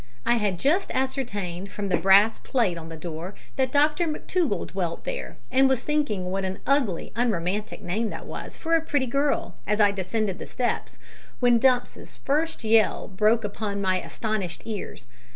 I had just ascertained from the brass plate on the door that Dr McTougall dwelt there, and was thinking what an ugly unromantic name that was for a pretty girl as I descended the steps, when Dumps's first yell broke upon my astonished ears.